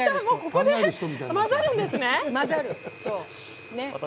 ここで混ざるんですね。